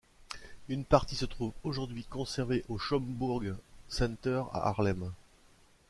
Une partie se trouve aujourd'hui conservée au Schomburg Center à Harlem.